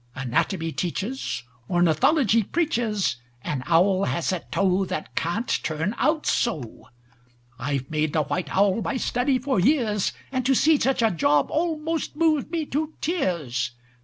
Anatomy teaches, Ornithology preaches An owl has a toe That can't turn out so! I've made the white owl my study for years, And to see such a job almost moves me to tears!